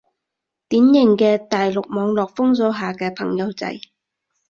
典型嘅大陸網絡封鎖下嘅朋友仔